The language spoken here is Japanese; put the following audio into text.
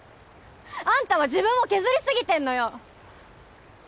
アンタは自分を削りすぎてんのよ！